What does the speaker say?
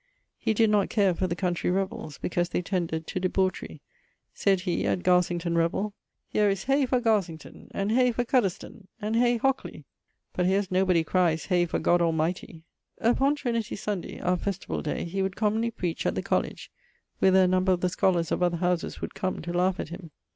He did not care for the countrey revells, because they tended to debauchery. Sayd he, at Garsington revell, 'Here is Hey for Garsington! and Hey for Cuddesdon! and Hey Hockly! but here's nobody cries, Hey for God Almighty!' Upon Trinity Sunday (our festival day) he would commonly preach at the Colledge, whither a number of the scholars of other howses would come, to laugh at him.